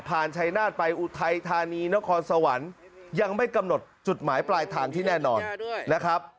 ชัยนาฏไปอุทัยธานีนครสวรรค์ยังไม่กำหนดจุดหมายปลายทางที่แน่นอนนะครับ